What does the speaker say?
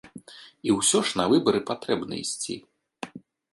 І ўсё ж на выбары патрэбна ісці.